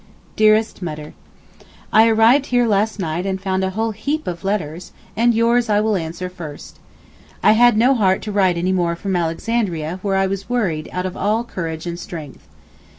DEAREST MUTTER, I arrived here last night and found a whole heap of letters—and yours I will answer first. I had no heart to write any more from Alexandria where I was worried out of all courage and strength.